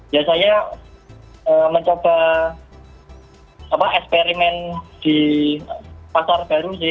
ya saya mencoba eksperimen di pasar baru sih